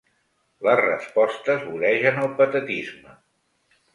Les respostes voregen el patetisme.